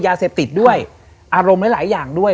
ยาเสพติดด้วยอารมณ์หลายอย่างด้วย